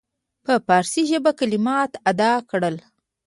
په فارسي ژبه کلمات ادا کړل.